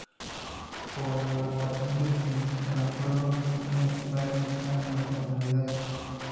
Por la patente sin el acuerdo, es necesario un examen de formalidades.